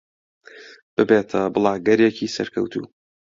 ببێتە بڵاگەرێکی سەرکەوتوو.